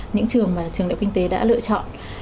những trường mà trường đại học kinh tế đã lựa chọn